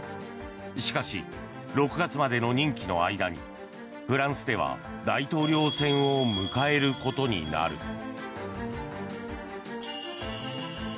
しかし、６月までの任期の間にフランスでは大統領選を迎えることになる。